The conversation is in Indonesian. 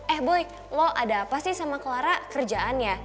eh boy lo ada apa sih sama clara kerjaannya